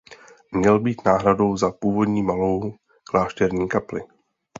Měl být náhradou za původní malou klášterní kapli.